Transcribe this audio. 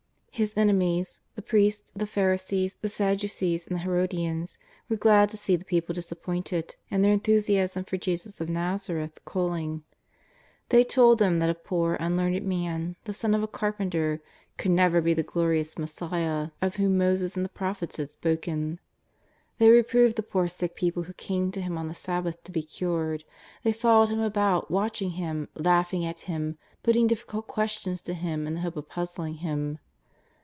His enemies — the priests, the Pharisees, the Saddu cees and the Herodians — were glad to see the people dis appointed, and their enthusiasm for Jesus of ISTazareth cooling. They told them that a poor, unlearned man, the son of a carpenter, could never be the glorious Mes* 14 251 252 JESUS OF NAZAEETH. siah of whom Moses and the Prophets had spoken. They reproved the poor sick people who came to Him on the Sabbath to be cured. Thej followed Him about, watching Him, laughing at Him, putting difficult ques tions to Him in the hope of puzzling Him.